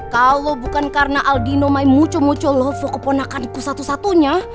kalau bukan karena aldino my mucho mucho lovo keponakan ku satu satunya